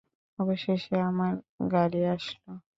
অবশেষে আমার গাড়ি আসলো।